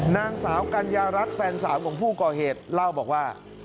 นางสาวกัญญารัฐแฟนสาวของผู้ก่อเหตุเล่าบอกว่า